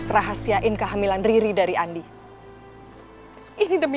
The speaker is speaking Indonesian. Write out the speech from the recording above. tidak pernah aku miliki buat kamu